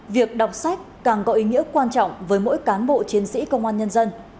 việc đọc sách càng có ý nghĩa quan trọng với mỗi cán bộ chiến sĩ công an nhân dân